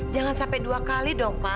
jangan sampai dua kali dong pak